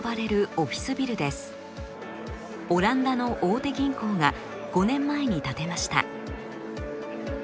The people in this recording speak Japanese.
オランダの大手銀行が５年前に建てました。